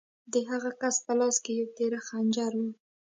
د هغه کس په لاس کې یو تېره خنجر و